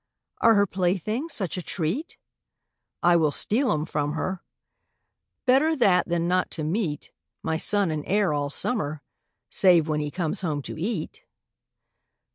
Are her playthings such a treat? I will steal 'em from her; Better that than not to meet My son and heir all summer, Save when he comes home to eat.